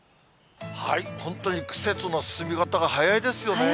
本当に季節の進み方が早いですよね。